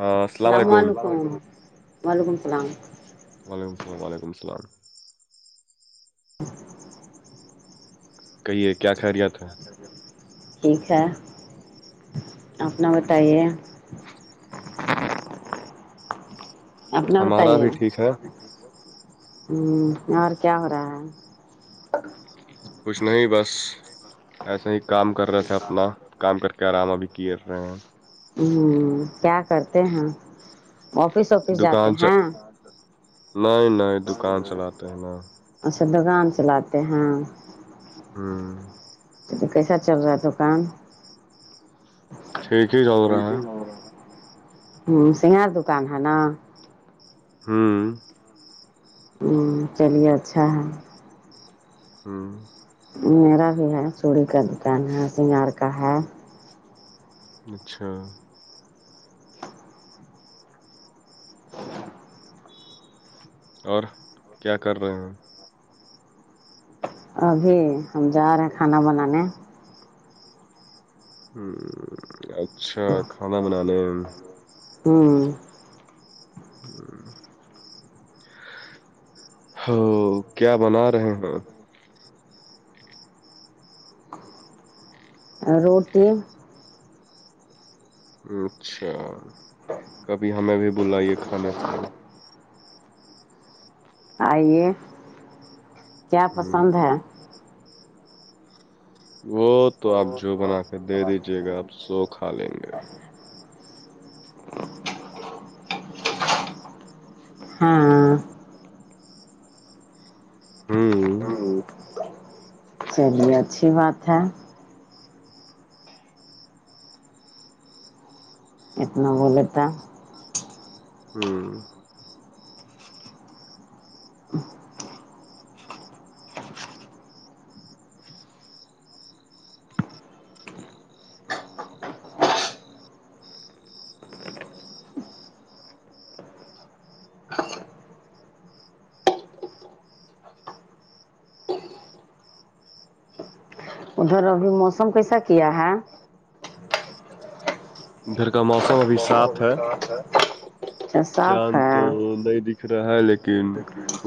ہاں السلام اللام و علیکم وعلیکم السلام وعلیکم السلام علیکم السلام کہیے کیا خیریت ہے ٹھیک ہے اپنا بتائیے اپنا ہمارا بتائیے ہ بھی ٹھیک ہے اور کیا ہو رہا ہے کچھ نہیں بس ایسے ہی کام کر رہے تھے اپنا کام کر کے آرامہ بھی کیے رہے ہیں ہ کیا کرتے ہیں آفس آفس دکان جاتے چ ہیں نہیں نہیں دکان چلاتے ہیں نا اچھا دکان چلاتے ہیں ہاں [unintelligible] تو کیسا چل رہا ہے دکان [unintelligible] ٹیک ہی س [unintelligible] ہ سگار دکان ہے نا [unintelligible] ہوں [unintelligible] ہوں چلیے اچھا ہے ہوں میرا بھی ہے چوڑی کا دکان ہے سگار کا ہے اچھا اور کیا کر رہے ہیں ہم ابھی ہم جا رہے ہیں کھانا بنانے ہ اچھا کھانا بنانے ہوں ہوں ہ کیا بنا رہے ہیں [unintelligible] روٹی [unintelligible] اچھا کبھی ہمیں بھی بلائیے کھانے پہ [unintelligible] آئیے کیا ہ پسند ہے وہ تو آپ جو بنا کے دے دیجے گا آپ سو کھا لیں گے ہاں ہوں [unintelligible] چلیے اچھی بات ہے اتنا بولے تھا ہوں [unintelligible] ادھر ابھی موسم کیسا کیا ہے ادھر کا موسم ابھی صاف ہے اچ سر [unintelligible] چد تو د دک [unintelligible] دکھ رہا ہے لیکن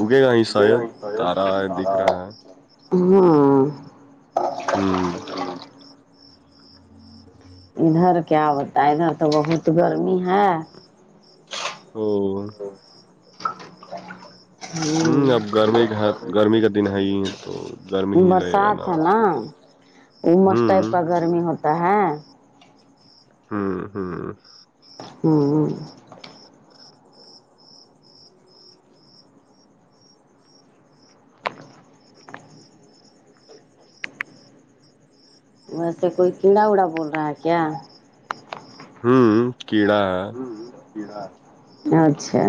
اگے گا ہی شاید تارا ہے دکھ رہا ہے [unintelligible] ہوں [unintelligible] ہوں [unintelligible] ادھر کیا بتا ہے ادھر تو بہت گرمی ہے او [unintelligible] اب ہوں گرمی کا ہے، گرمی کا دن ہے [unintelligible] ہی تو گرمی ہی لگے گا برسات ہے نا مس ٹائپ ہوں کا گرمی ہوتا ہے ہوں ہوں ہوں [unintelligible] ویسے کوئی کیڑا وڑا بول رہا ہے کیا ہوں کیڑا پیرار اچھا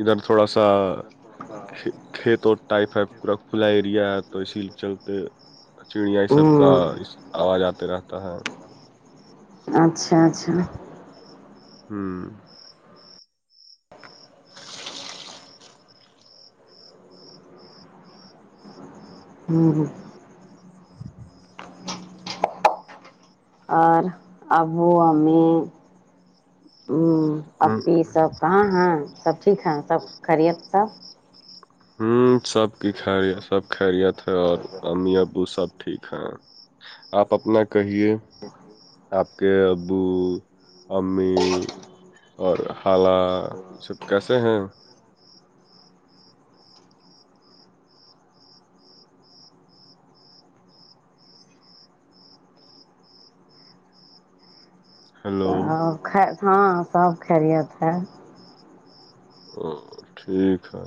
ادھر تھوڑا سا ک کھیت اور ٹائیفائڈ پورا کھلا ایریا ہے تو اسی چلتے چڑیا یہ سب کا ہوں آواز آتے رہتا ہے اچھا اچھا ہوں ہوں ہوں اور ابو ہمیں ا سب کہاں ہے سب ٹھیک ہے سب خریعت سب ہوں سب کی خری سب خیریت ہے اور امی ابو سب ٹھیک ہے آپ اپنا کہیے آپ کے ابو امی اور حال یہ سب کیسے ہیں ہلو خ ہاں سب خریت ہے ا ٹھیک ہے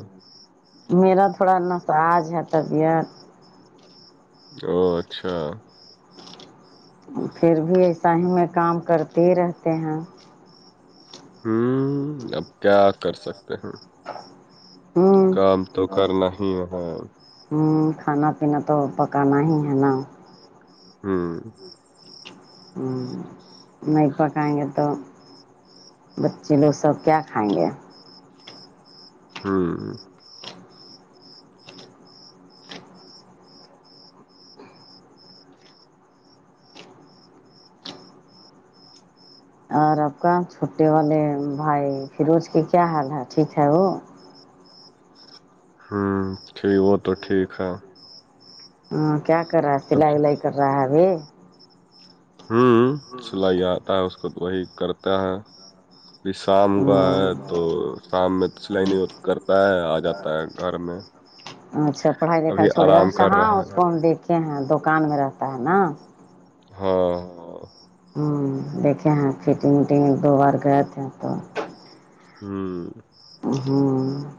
میرا تھوڑا نساج ہے طبیعت او اچھا پھر بھی ایسا ہی میں کام کرتے ہی رہتے ہیں ہوں اب کیا کر سکتے ہیں ہوں کام تو کرنا ہی ہے ہوں کھانا پینا تو پکانا ہی ہے نا ہوں ہوں نہیں پکائیں گے تو بچے لوگ سب کیا کھائیں گے ہاں اور آپ کا چھٹے والے بھائی فیروز کے کیا حال ہے ٹھیک ہے وہ ہوں پھر وہ تو ٹھیک ہے ہاں کیا کر رہا ہے سلائی اب- ولائی کر رہا ہے ابھی ہوں سلائی آتا ہے اس کو وہی کرتا ہے پھر شام کاا ہے تو شام میں تو سلائی نہیں کرتا ہے آ جاتا ہے گھر میں ا اچھا پڑھائی لکھائی ابھی چھوڑ گیا آرام اچھا کر ہاں رہا ہے اس کو ہم دیکھے ہیں دکان میں رہتا ہے نا ہاں ہاں ہوں دیکھے ہیں فٹنگ وٹنگ ایک دو بار گئے تھے تو ہوں ہوں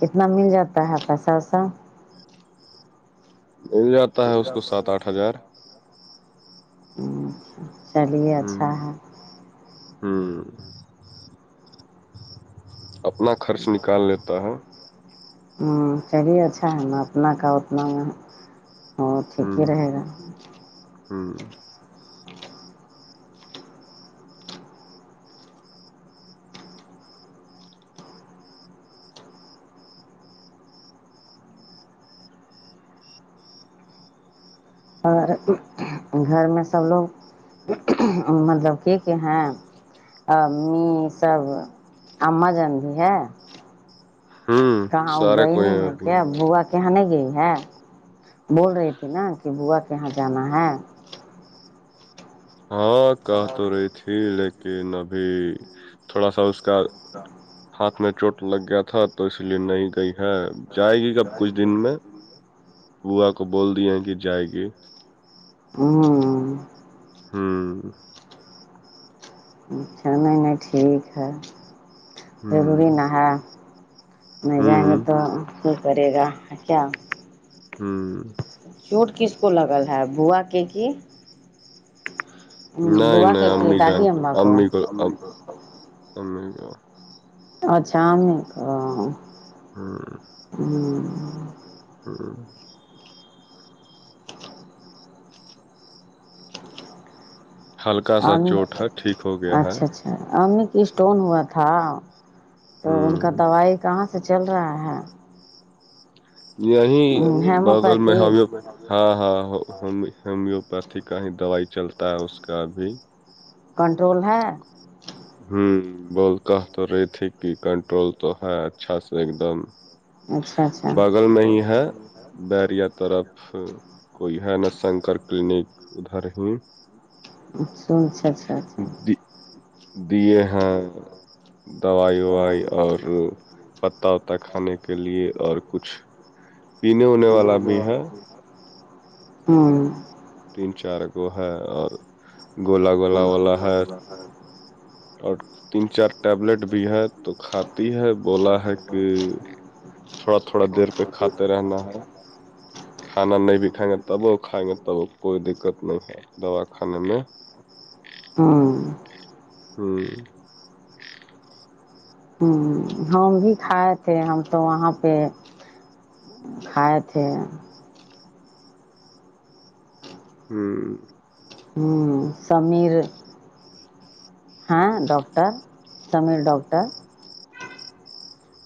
کتنا مل جاتا ہے پیسہ ویسہ مل جاتا ہے اس کو سات آٹھ ہزار چلیے ہوں اچھا ہے ہوں اپنا خرچ نکال لیتا ہے ہوں چلیے اچھا ہے نا اپتنا کا اتنا وہ ٹھیک ہی ہوں رہے گا ہوں اور گھر میں سب لوگ مطلب کی کہ ہیں ا امی سب امم جان بھی ہے ہوں کہاں وہ سارے گئی کوئی نہیں ہیں ہے ابھی کیا با کہاں نہیں گئی ہے بول رہی تھی نا کہ بوا کہاں جانا ہے ہاں کہ تو رہی تھی لیکن ابھی تھوڑا سا اس کا ہاتھ میں چوٹ لگ گیا تھا تو اس لیے نہیں گئی ہے جائے گی کب کچھ دن میں بووا کو بول دیے کہ جائے گی ہوں ہوں اچ چھ نہیں نہیں ٹھیک ہے ہوں ضروری نہ ہا نہیں جائیں گے ہوں تو یہ کرے گا کیا ہوں چوٹ کس کو لگل ہے بوا کے کی نہیںائ بوا کے کی نہیںائ دادی امبا کو امی ج ا کو کو اچ شام کو ہاں ہوں ہوں ہلکا سا اور چوٹ ہے ٹھیک ہو گیا ہے اچھا اچھا امی کی اسٹون ہوا تھا تو ان کا ہوں دوائی کہاں سے چل رہا ہے یہیں بغل میں ہیموپیتھی ہمیں ہاں ہاں ہو ہومیوپیتھی کا ہی دوائی چلتا ہے اس کا ابھی کنٹرول ہے ہوں بول کہ تو رہی تھی کہ کنٹرول تو ہے اچھا سے ایک دم اچھا اچھا بغل میں ہی ہے برییا طرف کوئی ہے نا شنکر کلینک ادھر ہی اچھا اچھا اچھا دے ہاں دوائی وائی اور پتہ وتا کھانے کے لیے اور کچھ پینے ہونے والا بھی ہے ہوں تین چار گو ہے اور گولا گولا والا ہے ا اور تین چار ٹیبلیٹ بھی ہے تو کھاتی ہے بولا ہے کہ تھوڑا تھوڑا دیر پہ کھاتے رہنا ہے کھانا نہیں بھی کائیں گے تب وہ کائیں گے تب کوئی دقت نہیں ہے دوا کانے میں ہوں ہ ہ ہم بھی کھائے تھے ہم تو وہاں پہ کھائے تھے ہوں ہوں سمیر ہاں ڈاکٹر سمیر ڈاکٹر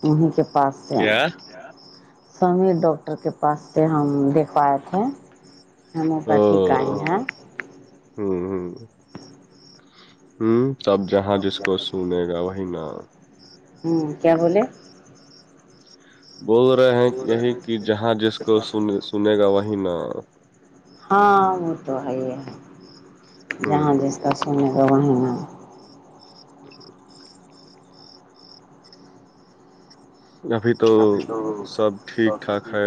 انیں کے پاس سے کیا سمیر ڈاکٹر کے پاس سے ہم دکھوائے تھے ہومیوپیتھی ہاں کایں ہیں ہوں ہوں ہوں تب جہاں جس کو سنے گا وہی نا ہوں کیا بولے بول رہے ہیں یہی کہ جہاں جس کو سنے سنے گا وہی نا ہاں وہ تو ہے ہے جہاں جس ہوں کا سنے گا وہیں نہ ہ ابھی تو سب ٹھیک ٹھاک ہے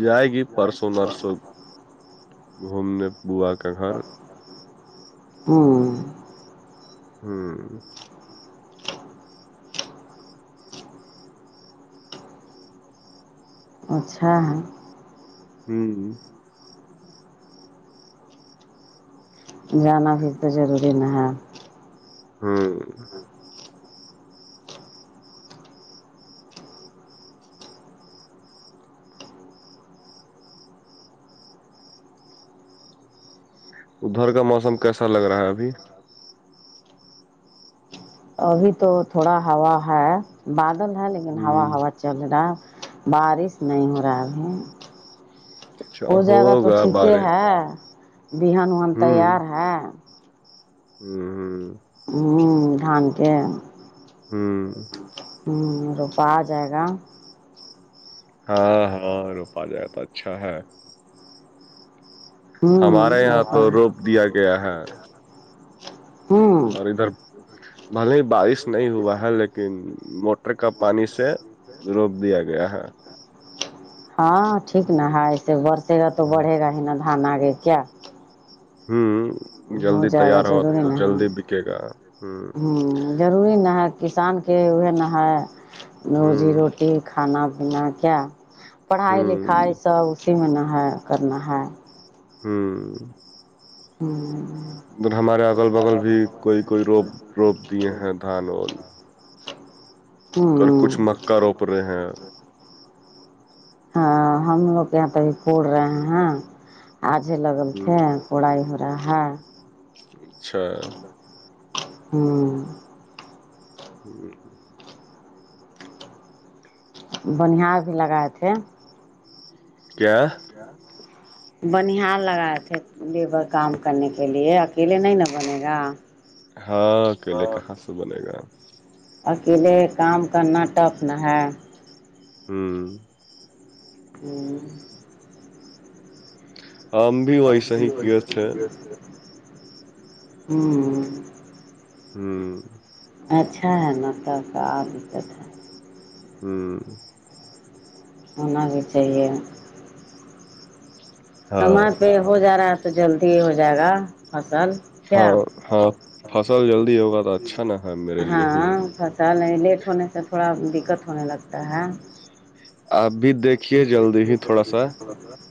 جائے گی پرسوںنر سو گھومنے با کا گھر ہوں ہوں اچھا ہے ہوں جانا بھی تو ضروری نہ ہے ہوں ادھر کا موسم کیسا لگ رہا ہے ابھی ابھی تو تھوڑا ہوا ہے بادل ہے لیکن ہا ہوں ہوا چل رہا ہے بارش نہیں ہو رہا ہے اب اچھا ہو جائے گا تو ہوگا ٹھیک بارے ہے بہان وہان تیار ہے ہوں ہ ہ دھان کے ہوں ہوں روپا آ جائے گا ہاں ہاں روپ آ جائے تو اچھا ہے ہوں ہمارے یہاں روپا تو روپ دیا گیا ہے ہوں اور ادھر بھلے ہی بارش نہیں ہوا ہے لیکن موٹر کا پانی سے روپ دیا گیا ہے ہاں ٹھیک نا ہے ایسے برسے گا تو بڑھے گا ہی نا دھان آگے کیا ہوں ہو جلدی جائے گا تیار ہو ضروری تو نا ہے جلدی بکے گا ہ ہوں ضروری نہ ہے کسان کے وہ ن ہے ہے روزی ہوں روٹی کھانا پینا کیا پڑھائی ہوں لکھائی سب اسی میں نہ ہے کرنا ہے ہوں ہوں ادھر ہمارے اگل بغل بھی کوئی کوئی روپ روپ دیے ہیں دھان اور اور کچھ ہ مکا روپ رہے ہیں ہاں ہم لوگ کے یہاں تب پور رہے ہیں آجے لگل ہ تھے اڑائی ہو رہا ہے اچھا ہوں [unintelligible] بنیا بھی لگائے تھے کیا کیا بنیا لگائے تھے لیبر کام کرنے کے لیے اکیلے نہیں نا بنے گا ہاں اکیلے کہاں سے بنے گا اکیلے کام کرنا ٹف نہ ہے ہوں ہوں ہم بھی ویسا ہی کیے تھے ہوں ہاں اچھا ہے ن کا دقت ہے ہوں ہونا بھی چاہیے ہاں سمج پہ ہو جا رہا ہے تو جلدی ہو جائے گا فصل کیا ہاں ہاں فصل جلدی ہوگا تو اچھا نہ ہے میرے لیے ہی چ نہیں لیٹ ہونے سے تھوڑا دقت ہونے لگتا ہے آپ بھی دیکھیے جلدی ہی تھوڑا سا